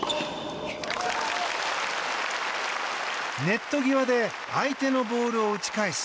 ネット際で相手のボールを打ち返す